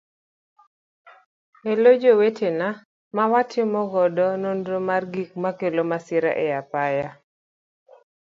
Elo jowetena ma watimo godo nonro mar gik makelo masira e apaya.